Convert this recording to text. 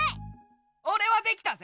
オレはできたぜ！